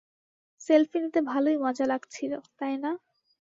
Selfie নিতে ভালোই মজা লাগছিল, তাই না?